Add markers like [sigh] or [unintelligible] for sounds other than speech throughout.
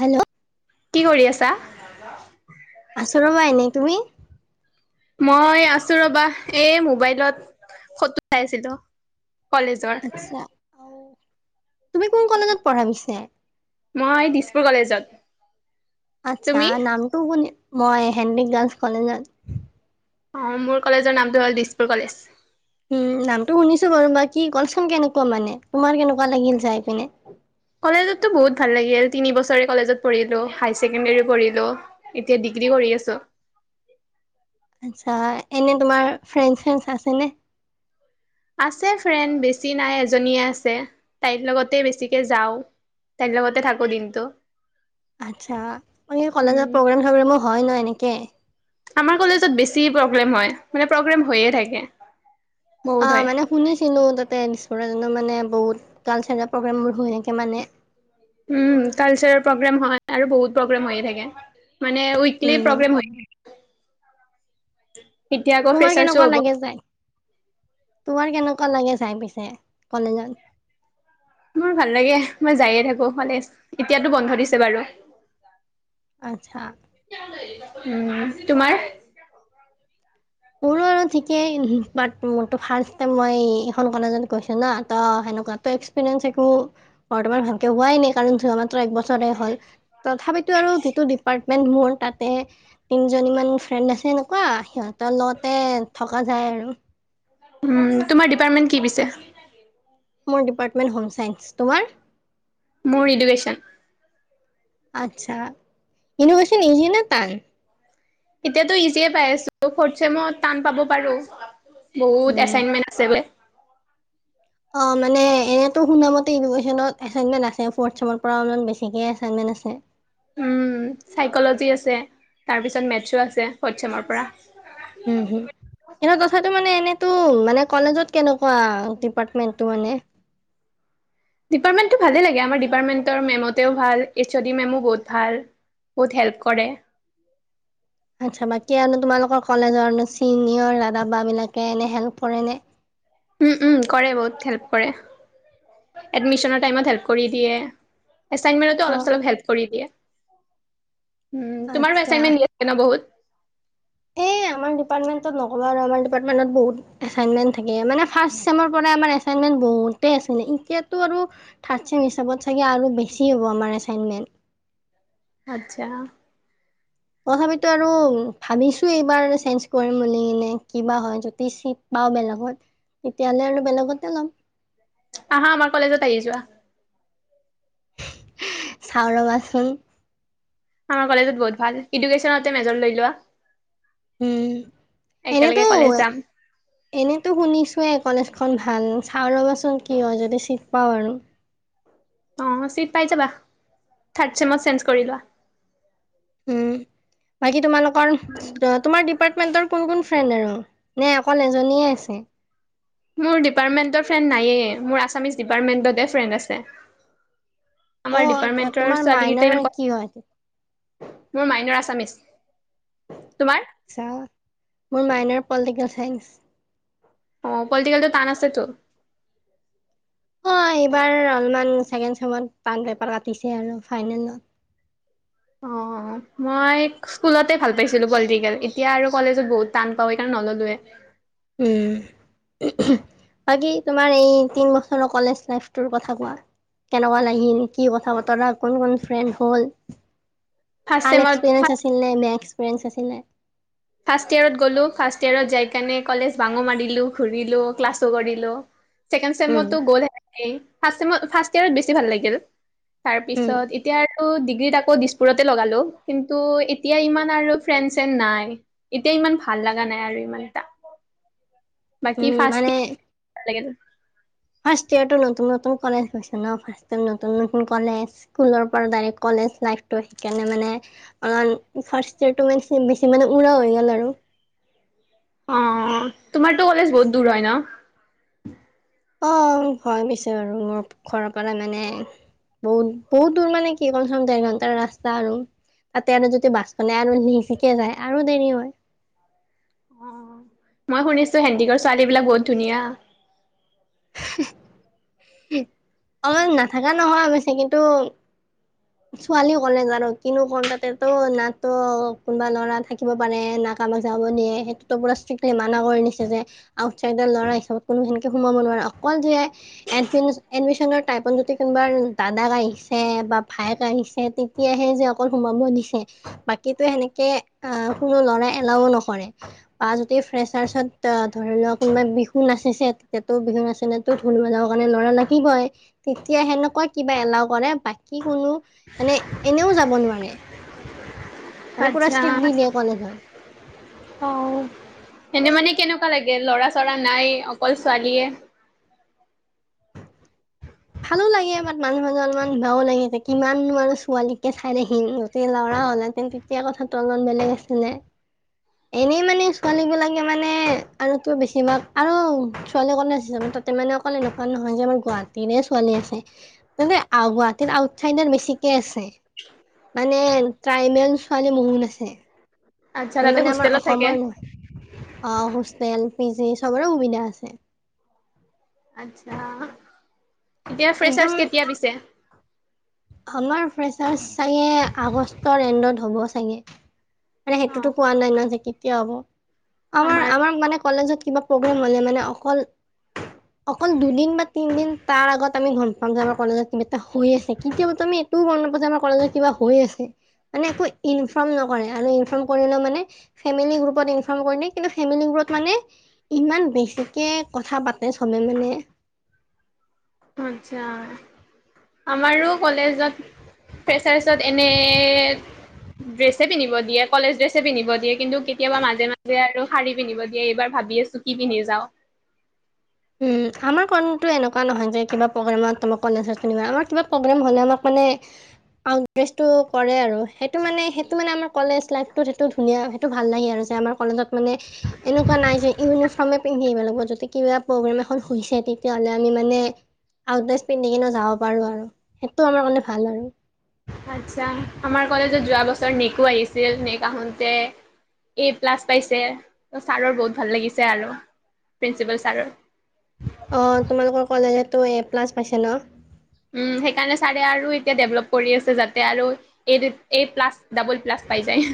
Hello কি কৰি আছা? আচো ৰ'বা এনে। তুমি? মই আছো ৰবা, এই মোবাইলত ফটো চাইছিলো কলেজৰ। আচ্ছা অ তুমি কোন কলেজত পঢ়া পিছে মই দিছপুৰ কলেজত। আচ্ছা তুমি? নামটো শুনি, মই হেনৰিক গাৰ্লছ কলেজত। অ মোৰ কলেজৰ নামটো হ'ল দিছপুৰ কলেজ। উম নামটো শুনিছো বাৰু। বাকি কলচোন কেনেকুৱা মানে, তোমাৰ কেনেকুৱা লাগিল যাই পিনে? কলেজতো বহুত ভাল লাগিল, তিনি বছৰে কলেজত পঢ়িলো, হাইাৰ ছেকেণ্ডৰী পঢ়িলো, এতিয়া ডিগ্ৰী কৰি আছো। [inaudible] আচছা এনে তোমাৰ, ফ্ৰেণ্ড ফে আছেনে? আছে ফ্ৰেণ্ড, বেছি নাই এজনীয়ে আছে, তাইৰ লগতে বেছিকে যাওঁ। তই লগতে থাকো দিনটো আচ্ছা মই কলেজত উম, প্ৰগ্ৰেম চগ্ৰমো হয় ন এনেকে আমাৰ কলেজত বেছি প্ৰগ্ৰেম হয় মানে প্ৰগ্ৰেম হৈয়ে থাকে। অ বহুত হয়। মানে শুনিছিলো তে মানে বহুত কালচাৰেল প্ৰগ্ৰেমবোৰ হৈ থোকে মানে। উম কালচাৰেল প্ৰগ্ৰেম হয় আৰু বহুত প্ৰগ্ৰেম হৈয়ে থাকে। মানে উইকলি উম প্ৰগ্ৰম হয়ে থাকে। এতিয়া আকৌ তোমাৰ ফ্ৰেচাৰ্ছো কেনেকুৱা হ'ব লাগে যাই তোমাৰ কেনেকা কেনেকো চাই পিছে কলেজত। মোৰ ভাল লাগে মই যায়ে থাকো কলেজ এতিয়াতো বন্ধ দিছে বাৰু আচ্ছা উ তোমাৰ মোৰো ঠিকেই ফাৰ্ষ মই এইখন কলেজত গৈছো ন ত সেৱনে এক্সেঞ্চ একো বৰ্তমান ভালকে হোৱাই নাই কাৰণ আমাক এক বছৰে হ'ল তথাপিতো আৰু যিটো ডিপাৰ্টমেন্ট মোৰ তাতে তিনিজনীমান ফ্ৰেণ্ড আছে এনেকুৱা সিহঁত তলতে থকা যায় আৰু উম তোমাৰ ডিপাৰ্টমেণ্ট কি পিছে মোৰ ডিপাৰ্টমেণ্ট হোম চাইন্স তোমাৰ মোৰ ইডুকেশ্যন আচ্ছা ইন'ভেশন ইঞ্জিনিয়াৰটান এতিয়াতো ইজিয়ে পাই আছো ফ চমত টান পাব পাৰো বহুত উম এচাইনমেন্ট আছে যে অ মানে এনেতোন শুনা মতে এছাইনমেণ্ট আছে ফ চমত পৰা অলপ বেছি কে আছে আছে চাইক্লিজি আছে তাৰ পিছত মেথছো আছে ফদ চেমৰ পৰা উম হুম কি তথাপি মানে এনেতো মানে কলেজত কেনেকুৱা ডিপাৰ্টমেণ্ট মানে। [unintelligible] ডিপাৰ্টমেণ্টটো ভালেই লাগে আমাৰ ডিপাৰ্টমেণ্টৰ মেমতেও ভাল এইচ অ' ডি মেমো বহুত ভাল বহুত হেল্প কৰে [unintelligible] আচ্ছা বাকী আৰু ন তোমালোকৰ কলেজৰ চিনিয়ৰ দাদা বা বিলাকে এনে হেল্প কৰে নে উম উম কৰে বহুত হেল্প কৰে এডমিশনৰ টাইমত হেল্প কৰি দিয়ে এছাইনমেণ্ট মেনতো অলপ অ' চলপ হেল্প কৰি দিয়ে উম তোমাৰো আচ্ছা। এছাইনমেণ্ট দিয়ে ন বহুত এই আমাৰ দীপাত মেতত বহু এছাইনমেণ্ট মে'ত থাকে মানে ফাছ ছেমৰ পৰাই আমাৰ এছাইনমেণ্ট ব এতিয়া আৰু থ হিত চাগ আৰু বেছি হ'ব আমাৰ এছাইমেন্ট [unintelligible] আচ্ছা তথাপিতো আৰু ভাবিছো এইবাৰ চেঞ্জ কৰিম বুলি কিনে কিবা হয় যদি বাও বেলেগত তেতিয়া হ'লে আৰু বেলেগতে ল'ম আহা আমাৰ কলেজত আহি যোৱা চাও ৰবা চোন আমাৰ কলেজত বহুত ভাল এডুকেশ্যনতে মেজৰ লৈ লোৱা উম একেলগে এনেতো কলেজ যাম। এনেতো শুনিছোয়ে কলেজ এখন ভাল চাওঁ ৰ'বাচোন কি হয় যদি চিট পাওঁ আৰু অঁ চিট পাই যাবা থাৰ্ড চেমত চেঞ্জ কৰি লোৱা উম বাকি তোমালোকৰ তোমাৰ ডিপাৰ্টমেন্টৰ কোন কোন ফ্ৰেণ্ড আৰু নে অকল এজনীয়ে আছে? মোৰ ডিপাৰ্টমেণ্টৰ ফ্ৰেণ্ড নায়য়েই মোৰ আছামিছ ডিপাৰ্টমেণ্টতে ফ্ৰেণ্ড আছে। আমাৰ অ' ডিপাৰ্মেন্টৰ তোমাৰ ছোৱালী কিতা মাইনৰ ইমান কথা, কি হয়? মোৰ মাইনৰ আছামিছ। [inaudible] তোমাৰ? আচ্ছা, মোৰ মাইনৰ পলিটিকেল চাইন্স। অ পলিটিকেলটো টান আছেটো। অ এইবাৰ অলপমান ছেকেণ্ড চেমত টান পেপাৰ কাটিছে আৰু ফাইনেলত। [inaudible] অ', মই স্কুলতে ভাল পাইছিলো পলিটিকেল এতিয়া আৰু কলেজত বহুত টান পাওঁ সেইকাৰণে নললোৱে। উম। বাকি তোমাৰ এই তিন বছৰৰ কলেজ লাইফটোৰ কথা কোৱা? কেনেকুৱা লাগিল কি কথা বতৰা কোন কোন ফ্ৰেণ্ড হ'ল, ফাৰ্ষ্ট ভাল চেমত এক্সপিৰিয়েঞ্চ আছিল নে বেয়া এক্সপিৰিয়েঞ্চ আছিলে? ফাৰ্ষ্ট ইয়েৰত গ'লো ফাৰ্ষ্ট ইয়েৰত যাইকিনে কলেজ ভাঙো মাৰিলোঁ ঘূৰিলোঁ ক্লাছো কৰিলোঁ। ছেকেণ্ড উম, চেমতো গ'ল সেনেকেই, ফাৰ্ষ্ট ইয়েৰত বেছি ভাল লাগিল। তাৰ উম, পিছত এতিয়া টো ডিগ্ৰীত আকৌ দিছপুৰতে লগালো কিন্তু এতিয়া ইমান আৰু ফ্ৰেণ্ড চেনড নাই। এতিয়া ইমান ভাল লগা নাই আৰু ইমানটা। বাকি উম, ফাৰ্ষ্ট মানে ইয়েৰ ভাল লাগিনো। ফাৰ্ষ্ট ইয়েৰটো নতুন নতুন কলেজ হৈছে ন, ফাৰ্ষ্ট টাইম নতুন নতুন কলেজ স্কুলৰ পৰা ডাইৰেক্ট কলেজ কলেজ লাইফটো সেইকাৰণে মানে, অলপমান ফাৰ্ষ্ট ইয়েৰটোত খুব বেছি মানে উৰা হৈ গ'ল আৰু। অঁ তোমাৰটো কলেজ বহুত দূৰ হয় ন? অঁ হয় পিছে বাৰু মোৰ ঘৰৰ পৰা মানে বহুত বহুত দূৰ মানে কি কম চে কম দেৰ ঘণ্টাৰ ৰাস্তা আৰু, তাতে আৰু যদি বাছ খনে আৰু লেজিকে যায় আৰু দেৰি হয়। অ মই শুনিছোঁ হেন্ডিকৰ ছোৱালী বিলাক বহুত ধুনীয়া। অলপ নাথাকা নহয় অৱশ্যে কিন্তু ছোৱালীৰ কলেজ আৰু কিনো কম তাতে ত না ত কোনোবা ল'ৰা থাকিব পাৰে না আমাক যাব দিয়ে সেইটোটো পুৰা ষ্ট্ৰিক মানা কৰি দিছে যে, আউটচাইডৰ ল'ৰা হিচাপত কোনো সেনেকে সোমাব নোৱাৰা। অকল যে এডমি এডমিশচনৰ টাইমত যদি কোনোবা দাদা আহিছে বা ভায়েক আহিছে তেতিয়াহে যে অকল সোমাব দিছে, বাকীতো সেনেকে আহ কোনো লৰা এলাও নকৰে। বা যদি ফ্ৰেচাৰ্চত ধৰি লোৱা কোনোবাই বিহু নাচিছে তেতিয়াতো বিহু নাচিলেতো ঢোল বজাব কাৰণেটো লৰা লাগিবই তেতিয়া সেনেকুৱা কিবা এলাও কৰে বা কি কোনো মানে এনেও যাব নোৱাৰে। মানে পুৰা আচ্ছা। ষ্ট্ৰিক দি দিয়ে কলেজত অ এনে মানে কেনেকু ৱা লাগে ল'ৰা চৰা নাই অকল ছোৱালীয়ে? ভালো লাগে বাত মাজে মাজে অলপমান বেয়াও লাগে তাকে কিমান নো আৰু ছোৱালীকে চাই থাকিম, গতিকে ল'ৰা হল হেঁতেন তেতিয়া কথাটো অলপ বেলেগ আছিলে। এনেই মানে ছোৱালী বিলাকে মানে আৰুতো বেছিভাগ আৰু ছোৱালী কলেজ তাতে মানে অকল এনেকুৱা নহয় যে আমাৰ গুৱাহাটীৰে ছোৱালী আছে গুৱাহাটীৰ আউট চাইডাৰ বেছিকে আছে। মানে ট্ৰাইবেল ছোৱালী বহুত আছে। আচ্ছা যোন তাতে মানে আমাৰ হোষ্টেলত থাকে। অসমৰ আহ হোষ্টেল, পি জি চবৰে সুবিধা আছে। আচ্ছা। এতিয়া ফ্ৰেছাৰ্ছ একদম কেতিয়া পিছে? আমাৰ ফ্ৰেছাৰ্ছ চাগে আগষ্টৰ এণ্ডত হ'ব চাগে। মানে অ সেইটোতো কোৱা নাই ন যে কেতিয়া হ'ব, আমাৰ আমাক মানে কলেজত কিবা প্ৰগ্ৰেম হ'লে মানে অকল অকল দুদিন বা তিনিদিন তাৰ আগত আমি গম পাম যে আমাৰ কলেজত কিবা এটা হৈ আছে কেতিয়াবাতো আমি এইটোও গম নাপাও যে আমাৰ কলেজত কিবা হৈ আছে মানে একো ইনফ্ৰম নকৰে ন ইনফ্ৰম কৰিলোঁ মানে ফেমিলি গ্ৰুপত ইনফ্ৰম কৰিলে কিন্তু মানে ইমান বেছিকে কথা পাতে চবে মানে আচ্ছা আমাৰো কলেজতে মানে ড্ৰেছে, পিন্ধিব দিয়ে কলেজ ড্ৰেছে পিন্ধিব দিয়ে কিন্তু কেতিয়াবা মাজে মাজে আৰু শাৰী পিন্ধিব দিয়ে এইবাৰ ভাব ভাবি আছো কি পিন্ধি যাওঁ। উম আমাৰ খনটোএনেুৱা নহয় যে কিবা প্ৰগ্ৰমত কলেজ বা আমাৰ কিবা প্ৰগ্ৰেম হলে আমাক মানে কৰে আৰু সেইটো মানে সেইটো মানে আমাৰ কলেজ লাইফ সেইটো ধুনীয়া সেইটো ভাল নাহে আৰু আমাৰ কলেজত মানে এনেকুৱা নাই যে ইউনিফৰ্মে পিন্ধি আহিব লাগিব যদি কিবা প্ৰগ্ৰেম এখন হৈছে তেতিয়াহ'লে আমি মানে আউট ড্ৰেছ পিন্ধি যাব পাৰো আৰু সেইটো আমাৰ কাৰণে ভাল আৰু আচ্ছা আমাৰ কলেজত যোৱা বছৰ তাৰিছত নেকো আহিছিল। নক আহোতে- এ প্লাছ পাইছে ত ছাৰৰ বহুত ভাল লাগিছে আৰু প্ৰিন্সিপল ছাৰৰ অ তোমালোকৰ কলেজতো এ প্লাছ পাইছে ন উম সেইকাৰণে ছাৰে আৰু এতিয়া ডেভলপ কৰি আছে যাতে আৰু এই এই প্লাছ ডাবল প্লাছ- পাই যায়।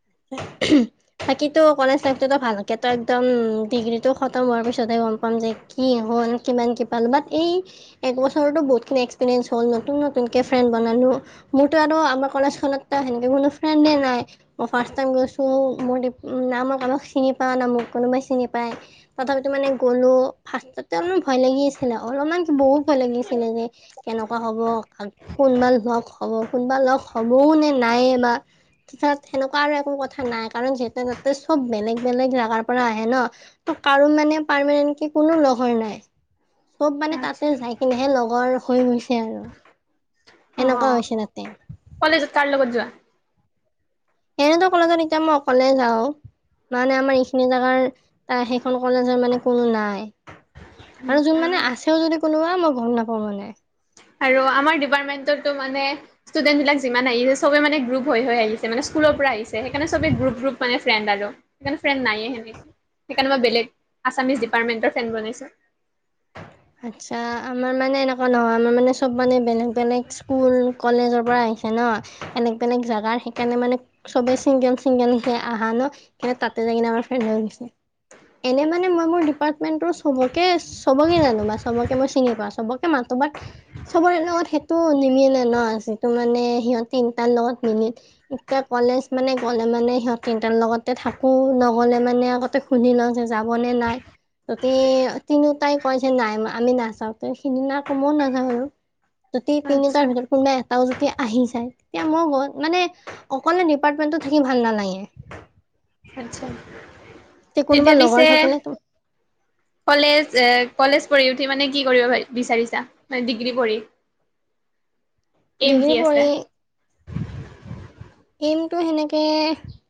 [inaudible] থাকি কলেজ লাইফতো ভালকে তো একদম ডিগ্ৰীতটো খতম হোৱাৰ পিছতহে গম পাম যে কি কিমান কি পালো ব এই এক বছৰত বহুত খিনি এক্সপিৰিয়েঞ্চ হ'ল নতুন নতুনকে ফ্ৰেনদ বনালো মোৰতো আৰু আমাৰ কলেজখনতো সেনেকে কোনো ফ্ৰেণ্ডে নাই মই ফাৰ্ষ্ট টাইম গৈছোঁ মোৰ না মই কোনোবাক চিনি পাওঁ না মোক কোনোবাই চিনি পায়। তথাপি মানে গ'লো ফাৰ্ষ্টত অলপমান ভয় লাগি আছিলে অলপমান বহুত ভয় লাগিছিলে যে এনেকুৱা হব কোনোবা লগ হ'ব কোনোবা লগ হ'বও নে নাইে বা কিতাত সেনেকুৱা আৰু একো কথা নাই কাৰণ যিহেতু তাতে চব বেলেগ বেলেগ জোগাৰ পৰা আহে ন ত কাৰো মানে- মানে পাৰ্মেন্তকে কোনো নহয় মানে- চব মানে তাতে যাই কিনেহে লগৰ হৈ গৈছে। আৰু অ সেনেকুৱা হৈছে তাতে- কলেজত কাৰ লগত যোৱা এনেতো কলেজত এতিয়া মই অকলে যাওঁ মানে আমাৰ এইখিনি জোগাৰ ত সেইখন কলেজৰ মানে কোনো নাই আৰু যোন মানে আছেও যদি কোনোবা মই গম নাপাওঁ মানে আৰু আমাৰ ডিপাৰ্টমেন্টৰো মানে ষ্টুডেন্ট বিলাক যিমান আহিছে চবে মানে গ্ৰুপ হৈ আহিছে মানে- স্কুলৰ পৰা আহিছে সেইকাৰণেবেই গ্ৰুপ গ্ৰুপ মানে ফ্ৰেড আৰু সেইকাৰে ফ্ৰেণ্ড নায়ে সেনেকে- সেইকাৰণে মই বেলেগ আছামিজ ডিপাৰ্টমেণ্ট ফ্ৰেণ্ড বনাইছো হয়। আচ্ছা আমাৰ মানে এনেকুৱা নহয় আমাৰ মানে চব মানে বেলেগ বেলেগ স্কুল কলেজৰ পৰা আহিছে ন এনেক বেলেগ জোগাৰ সেইকাৰণে মানে চবে চিংগল চিংগল সে আহা ন কিন্তু তাতে ফ্ৰেণ্ড হৈ গৈছে এইনেই মানে মই মোৰ দিপাৰ্মেন্তৰ চৱকে চবকে জানো বা চবকে মই চিনি পাওঁ চবকে মাতো বাত চবৰে লগত সেইটো নিমিলে ন যিটো মানে সিহঁত তিনিটাৰ লগত মিলিল এতিয়া কলেজ মানে গ'লে মানে সিহঁত তিনটাৰ লগত তাতে থাকো নহলে মানে আগতে শুধ লওঁ যে যাব নে নাই তাতে তিনি টাইপ কই যে নাই আমি নাচাওঁতে সেইদিনা কবও নাযাওঁ আৰু যদি আচ্ছা তিনিটাৰ ভিতৰত কোনোবা এটাও যদি আহি যাই তেতিয়া মই গ মানে অকলে ডিপাৰ্টমেন্টটো থাকি ভাল নালাগে আচ্ছা তে কোনোবা তেতিয়া লগৰ পিছে থাকিলে কলেজ এ কলেজ পঢ়ি উঠি মানে কি কৰিবাৰ বিচাৰিছা মানে ডিগ্ৰী পঢ়ি। এইম কি ডিগ্ৰী আছে? পঢ়ি এইমটো সেনেকে,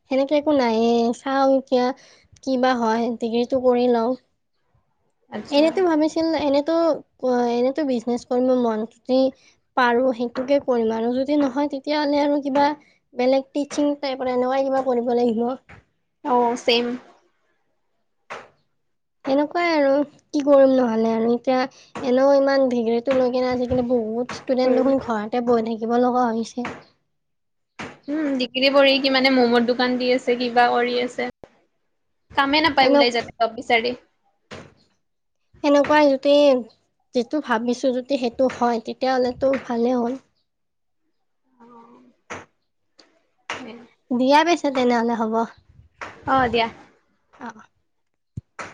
সেনেকে একো নায়ে। চাও এতিয়া কি বা হয়? ডিগ্ৰীটো কৰি লওঁ আচ্ছা এনেতো ভাবিছিল এনেতো অ এনেতো বিজনেছ কৰিব মন, যি পাৰো সেইটোকে কৰিম আৰু। যদি নহয় তেতিয়াহলে আৰু কিবা বেলেগ টিচিং টাইপৰ এনেকুৱাই কিবা কৰিব লাগিব। অ চেইম। [inaudible] এনেকুৱাই আৰু, কি কৰিম নহলে আৰু? এতিয়া এনেও ইমান ধে টো লৈ কিনে আজিকালি বহুত ষ্টুডেন্ট দেখোন ঘৰতে বৈ থাকিব লগা হৈছে। উম ডিগ্ৰী পঢ়ি কিমানে মমৰ দোকান দি আছে কিবা কৰি আছে। কামেই নাপায় এনে ওলাই যাব যব বিচাৰি [unintelligible] যিটো ভাবিছো যদি সেইটো হয় তেতিয়াহ'লেটো ভালে হ'ল। উম। দিয়া পাইছে তেনেহলে হ'ব। অ দিয়া। অ অ [unintelligible]